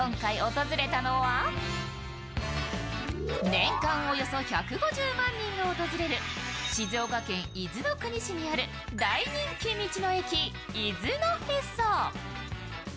年間およそ１５０万人が訪れる静岡県伊豆の国市にある大人気道の駅、伊豆のへそ。